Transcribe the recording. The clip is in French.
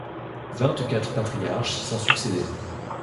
Vingt-quatre patriarches s’y sont succédé.